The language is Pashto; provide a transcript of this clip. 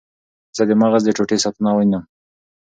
زه د مغز د ټوټې ساتنه وینم.